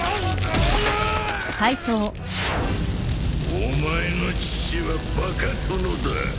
お前の父はバカ殿だ！